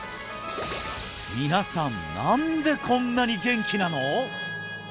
皆さん何でこんなに元気なの！？